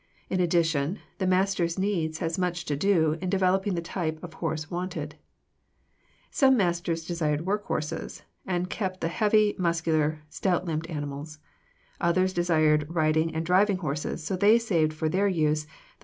In addition, the masters' needs had much to do in developing the type of horses wanted. Some masters desired work horses, and kept the heavy, muscular, stout limbed animals; others desired riding and driving horses, so they saved for their use the light limbed, angular horses that had endurance and mettle.